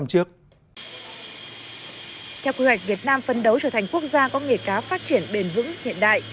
theo quy hoạch việt nam phân đấu trở thành quốc gia có nghề cá phát triển bền vững hiện đại